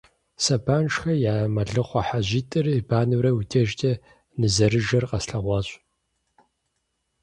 Сэбаншыхэ я мэлыхъуэ хьэжьитӀыр банэурэ уи дежкӀэ нызэрыжэр къэслъэгъуащ.